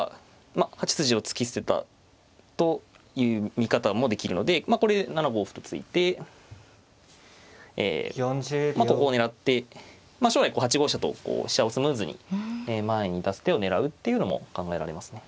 ８筋を突き捨てたという見方もできるのでこれで７五歩と突いてここを狙って将来８五飛車と飛車をスムーズに前に出す手を狙うっていうのも考えられますね。